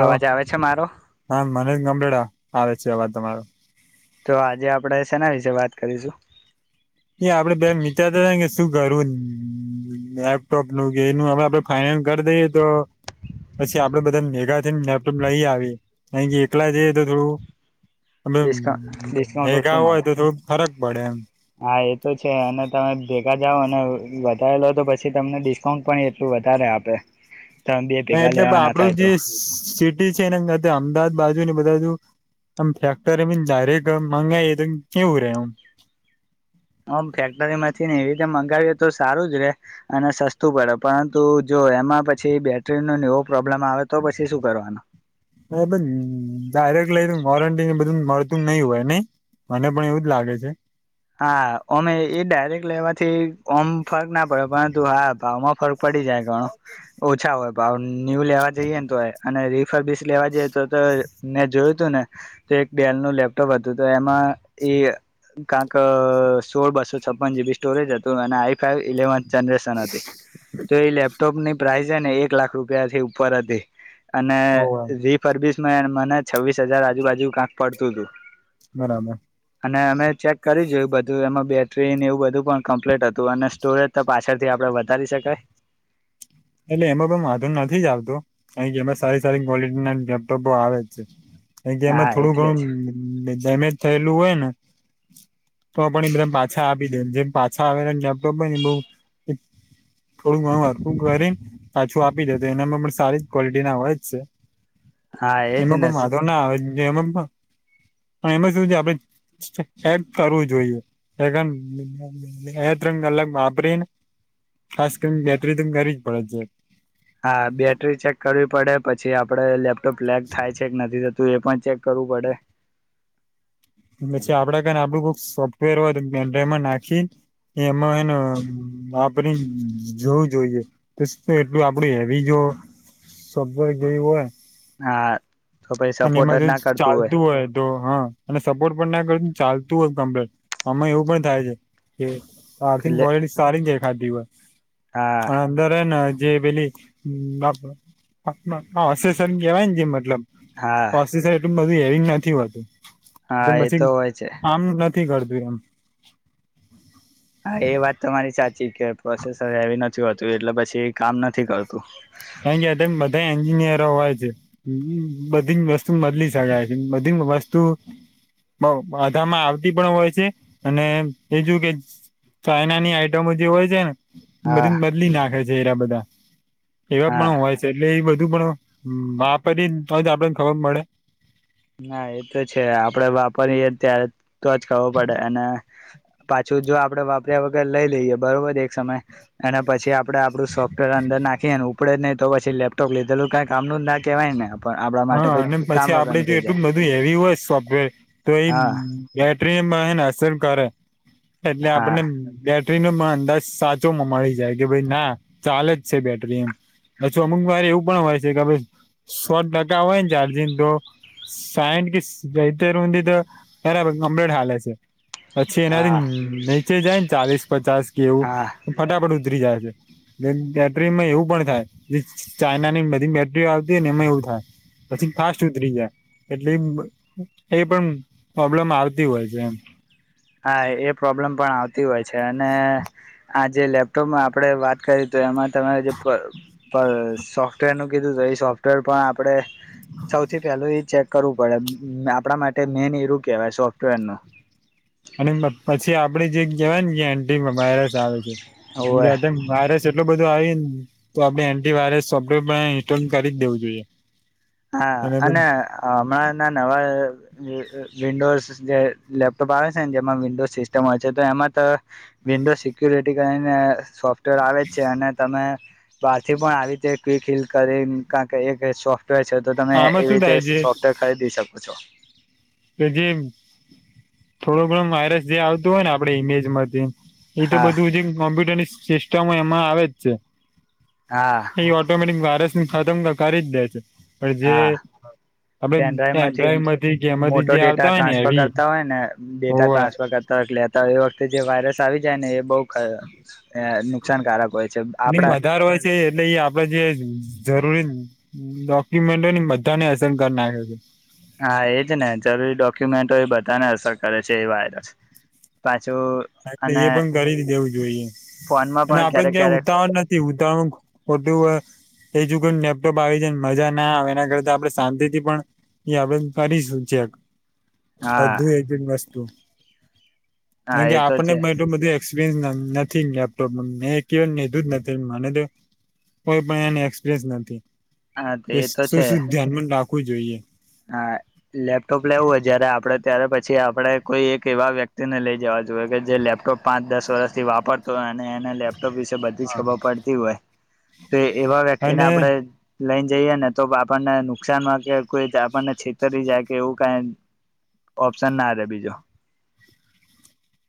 અવાજ આવે છે મારો. ગમરેડા આવે છે અવાજ તમારો. તો આજે આપડે સેના વિશે વાત કરીશું. એ આપડે બે મીચતા હતાને કે શું કરવું. લેપટોપ નું કે એનું હવે આપડે ફાાઈના કરી દઈએ તો. પછી આપડે બધા મેગાથીને લેપટોપ લઈ આવીએ અ કે એકલા જ તો થોડું. ડિસ્કાઉન્ટ ડિસ્કાઉન્ટ ભેગા ઓછું હોય મળે તો થોડું ફરક પડે એમ. હા એ તો છે અને તમે ભેગા જાઓ અને વધારે લો તો પછી તમને ડિસ્કાઉન્ટ પણ એટલું. બતા રે આપે. તમે બે હ ભેગા એટલે લેવાના આપડું થાય તો જે સિટી છે એને. અમદાવાદ બાજુ ને બધા બાજુ. આમ ફેક્ટરી ડાયરેક્ટ મંગાય તો કેવું રે એમ. હમ ફેક્ટરી માંથી ને એવી રીતે મંગાવીએ તો સારું જ રે અને સસ્તું પડે પરંતુ જો. તો એમાં પછી બેટરીનો વો. એ પણ ડાયરેક્ટ લઈ વોરંટી ને બધું મળ. તું નહી હોય નહી મને પણ એવું જ લાગે છે. હા અમે એ ડાયરેક્ટ લેવાથી ઓમ ફર્ક ના પડ્યો પરંતુ હા ભાવમાં. ફરક પડી જાય ઘણો ઓછા હોય ભાવ ન્યુ લેવા જઈએ ને તો અને. સર્વિસ લેવા જઈએ તો મેને જોયું હતું ને તો એક ડેલ નું લેપટોપ હતું તો એમાં. એ કંક સોળ બસો છપ્પન જીબી સ્ટોરેજ હતું અને આઈ ફાઈ ઇલેવન. જનરેશન હતી તો એ લેપટોપ ની પ્રાઇસ ને એક લાખ રૂપિયાથી ઉપર હતી. અને ઓવે રી ફરબીસ મને છવ્વીસ હજાર આજુબાજુ કંક પડતું હતું. બરાબર. અને અમે ચેક. કરી જોયું બધું એમાં બેટરીને એવું બધું પણ કમ્પ્લીટ હતું અને સ્ટોરેજ તો પાછળ થી આપડે વધારી શકાય. [inaudible] એટલે એમાં પણ માધું નથી જ આવતો કારણ કે એમાં સારી સારી ક્વોલિટી ના લેપટોપો આવે જ છે. કારણ કે હા એમાં થોડું એટલે જ ઘણું ડેમેજ થયેલું હોય ને તો પણ એ બધ પાછા આપી દે જેમ પાછા આવેલા લેપટોપ હોય ને બોવ થોડું ઘણર તું કરી ને પાછું આપી દે તો એનામાં પણ સારી જ ક્વોલિટી ના હોય જ છે. હા એજ એમાં ને પણ વાંધો ના આવે એમાં પણ પણ એમાં શુ છે આપ હેપ કરવું જોઈએ. [unintelligible] બાપરીન ખાસ કરીને બેટરી તો કરી જ પડે છે. હા બેટરી ચેક કરવી પડે પછી આપડે લેપટોપ લેગ થાય છે કે નથી તું એ પણ ચેક કરવું પડે પછી આપડે કને આપડુંક સોફ્ટવેર હોય પેન ડ્રાઈવમા નાખી એમાં એને આપડે જોવું જોઈએ એટલું આપડું હેવી જો શબ્જ ગઈ હોય. હા તો પછી અને સપોર્ટ એમાં જ જો ના કરતું ચાલતું હોય તો હા અને સપોર્ટ પણ ના કર ચાલતું હોય કમ્પ્લેટ આમાં એવું પણ થાય છે કે આર્થિંગ એટલે કોલટી સારીં ખાધી હોય હા પણ અંદરને જે પેલી [unintelligible] હા પોસેસર એટલું બધું હેરિંગ નથી હોતું હા એટલે એ પછી તો હોય છે આમ ન થી કરતું એમ હા એ વાત તમારી સાચી કે પ્રોસેસર હેવી નથી હોતું એટલે પછી કામ નથી કરતું. એની જાતે બધા એન્જિનિયરો હોય છે બધી જ વસ્તુ બદલી શકાય છે બધી વસ્તુ બઉ બધામાં આવતી પણ હોય છે અને બીજું કે ચાઈનાની આઈટમો જે હોય છે ને હા બધી બદલી નાખે છે એરા બધા એવા હા પણ હોય છે એટલે એ બ ધુ પણો વાપરી તોજ આપડેને ખબર પળે ના એ તો છે આપડે વાપરીયે ત્યારે તો જ ખબર પડે અને પાછું જો આપડે વાપર્યા વગર લઈ લઈએ બરોબર એક સમય એના પછી આપણે આપણું સોફ્ટવેર અંદર નાખીએને ઉપડે નહીં પછી લેપટોપ લીધેલું કંઈ કામનું ના કહેવાય ને પણ આપણા માટે હા કઈ અને કામ પછી વગરનુ આપડે જો બધું હેવી હોય સોફ્ટવેર તો એ હા બેટરીમાંને અસર કરે એટલે હા આપડને બે બેટરીનો અંદાજ સાચો મળી જાય કે ભાઈ ના ચાલે જ છે બેટરી એમ અજુ અમુક વારે એવું પણ હોય છે કે આપણે સો ટકા હોય ને ચાર્જિંગ તો સાયડ કે સીતેર સુધી તો બરાબર કપલેટ હાલે છે. પછી એનાથી હા નીચે જાય ને ચાલીસ પચાસ કે એવું હા ફટાફટ ઉતરી જાય છે બેટરીમાં એવું પણ થાય ચાઈનાની બધી બેટરી આવતી હોય ને એમાં એવું થાય પછી ફાસ્ટ ઉતરી જાય એટલી એ પણ પ્રોબ્લેમ આવતી હોય છે એમ હા એ પ્રોબ્લેમ પણ આવતી હોય છે અને આ જે લેપટોપમાં આપડે વાત કરી તો એમાં તમે જે પણ સોફ્ટવેર નું કીધું હતું એ સોફ્ટવેર પણ આપણે સૌથી પહેલું એ છે. કરવું પડે આપણા માટે મેન એરું કેહેવાય સોફ્ટવેરના અને પછી આપડે જે કહેવાય ગયા એન્ટીક વાઈરસ આવે છે હોવે જે તે વાઈરસ એટલો બધો આવી ને તો આપડણે એન્ટી વાયરસ સોફ્ટવેર પણ ઇન્સ્ટોલ કરી જ દેવું જોઈએ. હા અને હમણાં ના નવા વિન્ડોઝ જે લેપટોપ આવે છે ને જેમાં વિન્ડોઝ સિસ્ટમ હોય છે તો એમાં તો વિન્ડોઝ સિક્યુર કરીને સોફ્ટવેર આવે છે અને તમે બહારથી પણ આવી રીતે ક્વીકીલ કરીને કં કે એક સોફ્ટવેર છે તો તમે આમાં એવી શું થાય રીતે છે સોફ્ટવેર ખરીદી શકો હચ્છા કે જે થોડો ઘણો વાયરસ જે આવતો હોય ને આપડે ઈમેજ માંથી એ તો હા બધું જે કોમ્પ્યુટર ની સિસ્ટમ એમાં આવે જ છે હા એ ઓટોમેટિક વાયરસું ખતમ તો કરી જ દે છે પણ જે હા આપડે પેન્ટ્રઈવ માંથી કેમાંથી તો ડેટા ટ્રાન્સફર કરતા હોય ને ડેટા હોવા ટ્રાન્સફર કરતા વખત લેતા હોય એ વખત જે વાયરસ આવી જાય ને એ બહુ નુકસાનકારક હોય છે અને આપડા વધારે હોય છે એટલે એ આપડે જે જરૂરી ડોક્યુમેન્ટોની બધાને અસરકર નાખે છે કે મેન્ટો એ બધાને અસર કરે છે એ વાઈરસ એટલે એ પણ કરી દેવું જોઈએ ફોનમાં અને પણ આપડે ક્યારેક ક્યાંય ક્યારેક ઉત્તાહરણ નથી ઉત્તરણ ખટું એજુગને લેપટોપ આવી જાયને મજા ના આવે એના કરતા આપડણે શાંતિ થી પણ આપણે કરીશું હા અધું એજ વસ્તુ હા કારણ કે એ તો આપણને છે એટલું બધું એક્સપિરિયન્સ નથી લેપટોપ મેં કેવ લીધું જ નથી મને તો કોઈ પણ એ એક્સપરયસ નથી હા એ શ તો છે શ ધ્યાનમાં રાખવું જોઈએ હા લેપટોપ લેવું હો જયારે આપડે ત્યારે પછી પછી આપણે કોઈ એક એવા વ્યક્તિને લઈ જવા જોઈએ કે જે લેપટોપ પાંચ દસ વર્ષથી વાપરતો હોય એ લેપટોપ વિશે બધી જ ખબર પડતી હોય તો એવા વ્યક્તિને અને આપણેે લઈ જઈએ ને તો આપણને નુકસાન માં કે કોઈ ને છેતરી જાય કે એવું કઈ ઓપ્શન ના બીજું [inaudible]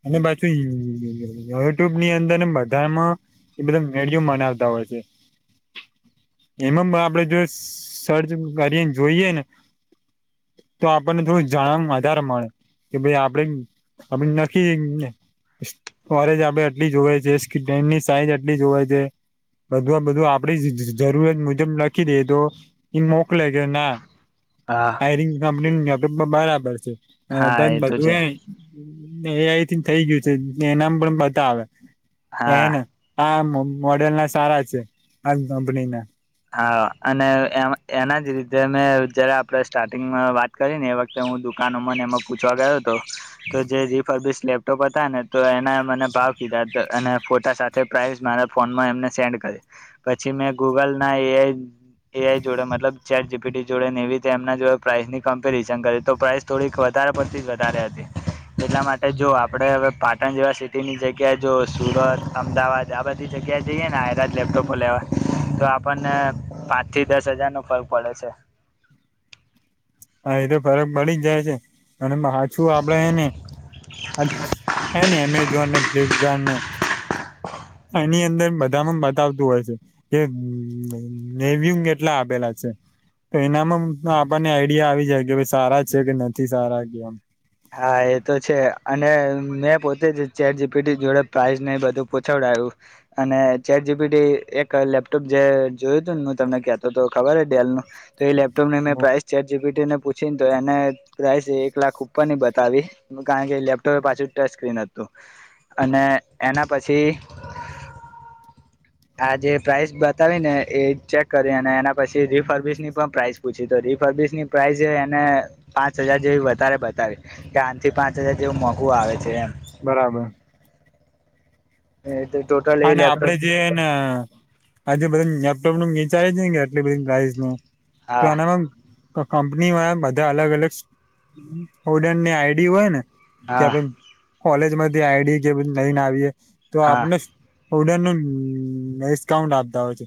અને પાછુ યુટ્યુબ ની અંદર બધામાં એ બધા વિડીયો મનાવતા હોય [inaudible] એમાં આપડે જો સર્ચ કરીએને જોઈએ ને તો આપણને થોડું જાણવા વધારે મળે કે ભાઈ આપડે આપ નખી ને વરેજ આપડે આટલી જોવે છે ડેનની સાઈઝ આટલી જોવે છે બધું બધું આપડી જરૂરિયાત મુજબ લખી દે તો એ મોકલે કે ના હા હાયરિંગ કંપની નું લપપમાં બરાબર છે હા તો છે બધું એ એ અહીથી થઇ ગયું છે એનામ પણ બધા આવે હા એને આ મોડેલ ના સારા છે આ કંપની ના હા અને એમ એના જ રીતે મેં જયારે આપણેે સ્ટાર્ટિંગમાં વાત કરી ને એ વખતે હું દુકાનોમાંને એમાં પૂછવા ગયો તો જ લેપટોપ હતા ને તો એના મને ભાવ કીધા હતો અને ફોટા સાથે પ્રાઇસ મારા ફોનમાં એમને સેન્ડ પછી મેં ગૂગલ ના એ જોડે મતલબ ચેટી જોડે ને એવી એમના જોડે પ્રાઇસ ની કમ્પેરિઝન કરી તો પ્રઇસ થોડીક વધારે પડતી જ વધારે હતી એટલા માટે જો આપડે હવે પાટણ જેવા સિટીની જગ્યાએ જો સુરત અમદાવાદ આ બધી જગ્યા જઈએ ને આ લેપટોપો લેવાય તો આપ આપને પાંચ થી દસ હજાર નો ફર્ક પડે છે હા એ તો ફરક પડી જ જાય છે અને હછું આપડે એને એ ન એમેઝોનને ફ્લિપકાર્ટ ને એની અંદર બધામાં બતાવતું હોય છે કે નેવયુ કેટલા આપેલા છે તો એનામાં આપણને આઈડિયા આવી જાય કે ભ સારા છે કે નથી સારા કે એમ હા એ તો છે અને મેં પોતે જ ચેટ જીપીટી જોડે પ્રાઇસ ને બધું પૂછાડે અને ચેર જીબી એક લેપટોપ જે જોયું હતું ને હું તમને ક્યાતો તો ખબર હ ડેલ નું તો એ લેપટોપ લઇ ને પ્રાઇસ ચેટજીપીટીને પૂછ [unintelligible] બતાવી કારણ કે લેપટોપે પાછી ટચ સ્ક્રીન હતું. અને એના પછી આ જે પ્રાઇસ બતાવી ને એ ચેક કરી અને એના પછી રિફર્નિશ ની પણ પ્રાઇસ પૂછી તો [unintelligible] પ્રાઇસ એને પાંચ હજાર જેવી વધારે બતાવી કે આજ થી પાંચ હજાર જેવું મોઘું આવે છે. બરાબર. [inaudible] અને આપડે લેપટોપ જે ને આજે બધા [unintelligible] એટલી બધી પ્રાઇસ નું તો હા આનામાં કંપની વાલા બધા અલગ-અલગ ઓડરની આઈડી હોય ને કે હા આપ કોલેજ માંથી આઈડી કેધ નઈને આવીએ તો હા આપણે ઓડર નો ડિસ્કાઉન્ટ આપતા હોય છે.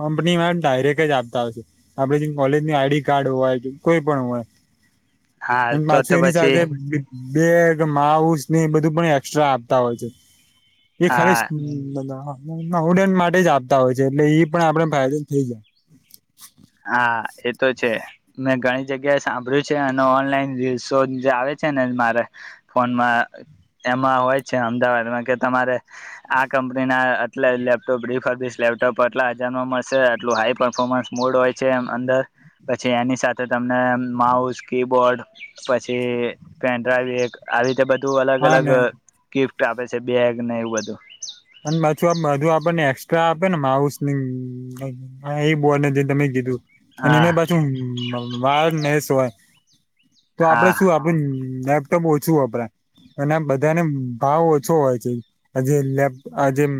કંપનીમાં ડાયરેક્ટ જ આપતા હશે આપડે જે કોલેજ ન આઈડી કાર્ડ હોય કોઈ પણ હોય. હા અને તો પાછુ તો એની પછી સાથે બેગ માઉસ ને એ બધું પણ એક્સ્ટ્રા આપતા હોય છે એ ખાલી હા હમ્મ બધા ઓડર માટે જ આપતા હોય છે, એટલે ઈ પણ આપડે ફાયદન થઈ જાય. હા એતો છે મેં ઘણી જગ્યાએ સાંભળ્યું છે અને ઓનલાઈન રીલસો જે આવે છે ને મારે ફોનમાં એમાં હોય છે અમદાવાદમાં કે તમારે આ કંપનીના આટલા લેપટોપ રિપબલીસ લેપટોપ આટલા હજારમાં મળશે આટલું હાઈ પરફોર્મન્સ મોડ હોય છે એમ અંદર પછી એની સાથે તમને માઉસ કીબોર્ડ પછી પેન્ડ્રાઈવ એક આવી રીતે બધું અલગ- હા અલગ ને ગિફ્ટ આપે છે બેગ ને એવું બધું અને પાછું આ બધું આપણને એસ્ટ્રા આપે ને માઉસ એ કિબોડ જે તમે કીધું અને હા એમાં પાછું [unintelligible] હોય તો આપડે હા શું આપે લેપટોપ ઓછું વપરા અને આ બધાને ભાવ ઓછો હોય છે આ જે લેપટોપ આ જેમ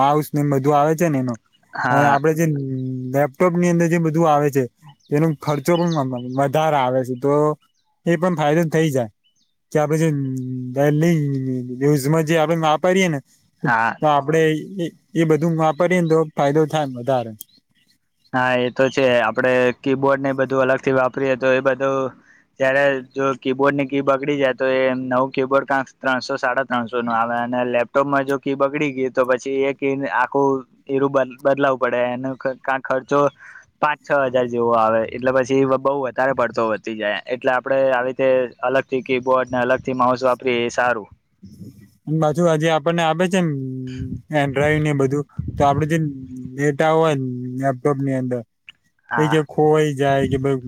માઉસ ને એમ બધું આવે છે ને એનો અને હા આપડે જે લેપટોપની અંદર જે બધું આવે છે તેનો ખર્ચો પણ વધારે આવે છે તો એ પણ ફાયદો થઇ જાય. કે આપડે જે દહેલી યુઝમાં જે આપડે વાપરીએેને હા તો આપડે એ બધું વાપરીએને તો ફાયદો થાય વધારે હા એ તો છે આપડે કીબોર્ડ ને બધું અલગ થી વાપરીએ તો એ બધું જયારે જો કીબોર્ડ ની કી બગડી જાય તો એ નવું કીબોર્ડ કં ત્રણસો સાડા ત્રણસો ના આલે ને લેફ્ટ ટોપ માં જો કે બગડી ગઈ તો પછી એક આખું એરું બદલાવું પડે એનું ખર્ચો પાંચ છ હજાર જેવો આવે એટલે પછી બહુ વધારે પડતો વધતી જાય એટલે આપડે આવી રીતે અલગથી કીબોર્ડ ને અલગ થી માઉસ વાપરીએ એ સારું પાછું હવે આપણને આવે છે પેન્ડ્રાઈવ ને બધું તો આપડે જે ડેટા હોય ને લેપટોપ ની અંદર એ હા જે ખોવાઈ જાય કે ભાઈ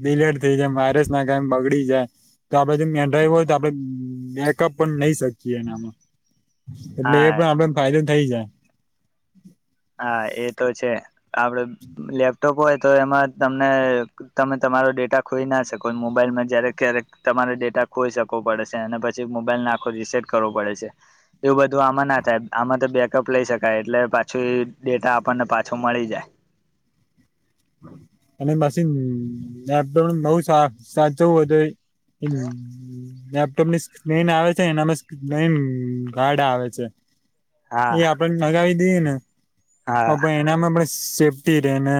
ડિલેટ થઈ જાય માયરસ ના કાયમ બગડી જાય તો આપડે પેન્ડ્રાઈવ હોય તો આપડે બેકઅપ પણ નહી શકીએ એનામાં એટલે હા એ પણ આપડેને ફાયદો થઈ જાય. હા એ તો છે આપડ લેપટોપ હોય તો એમાં તમને તમે તમારો ડેટા ખોઈના શકો મોબાઈલમાં જ્યારેક ક્યારેક તમારો ડેટા [unintelligible] પડે અને પછી મોબાઈલને આખો રીસેટ કરવો પડે છે એવું બધું આમાં ના થાય આ બેકઅપ લઈ શકાય એટલે પાછું ડેટા આપણને પાછો મળી જાય. અને પછી બહુ સાચવું હમ્મ લેપટોપની સ્ક્રીન આવે છે એમાં સ્ક્રીન ગાડ આવે છે. હા એ આપડે લગાવી દઈએ ને તો હા પણ એનામાં પણ સેફ્ટી રે ને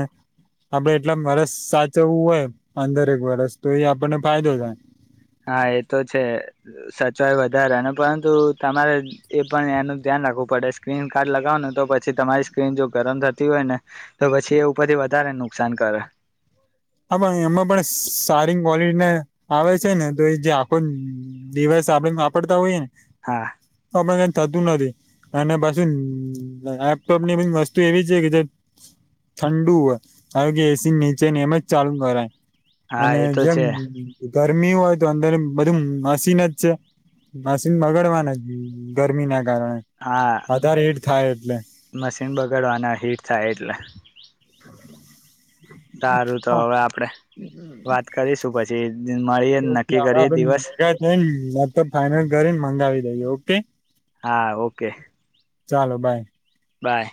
આપડે એટલા વરસ સાચવવું હોય પંદર એક વરસ તો એ આપણને ફાયદો થાય હા એ તો છે સચવાય વધારે પરંતુ તમારે એ પણ એનું ધ્યાન રાખવું પડે સ્ક્રીન કાર્ડ લગાવ ને તો પછી તમારી સ્ક્રીન જો ગરમ થતી હોય ને તો પછી એ ઉપરથી વધારે નુકસાન કરે [inaudible] હા પણ એમાં પણ સારી ક્વોલિટીને આવે છે ને તો એ જે આખો દિવસ આપણે વાપરતા હોઈએ હા તો કઈ થતું નથી અને પછી લેપટોપની બી વસ્તુ એવી છે કે જે ઠંડુ હોય કે એસી નીચે એમ જ ચાલુ કરાય હા અને એ તો જેમ છે ગરમી હોય તો અંદર બધું મશીન જ છે મશીન બગાડવાનું જ ગરમીના હા એટલે મશીન બગાડવાના હીટ થાય એટલે સારું તો હા હવે આપડે વાત કરીશું પછી મળીએ [unintelligible] નક્કી કરીએ દિવસ થઈને લેપટોપ ફાઈનલ કરીને મંગાવી દઈએ ઓકે હા ઓકે ચાલો બાય બાય